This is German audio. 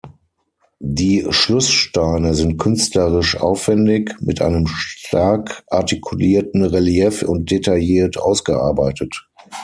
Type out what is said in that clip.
Die Schlusssteine sind künstlerisch aufwändig mit einem stark artikulierten Relief und detailliert ausgearbeitet.